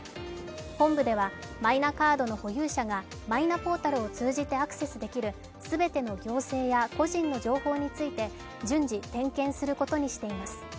本部ではマイナカードの保有者がマイナポータルを通じてアクセスできる全ての行政や個人の情報について順次、点検することにしています。